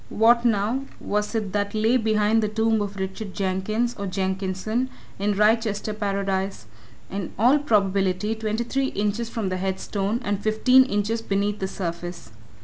What, now, was it that lay behind the tomb of Richard Jenkins, or Jenkinson, in Wrychester Paradise? in all probability twenty three inches from the head stone, and fifteen inches beneath the surface.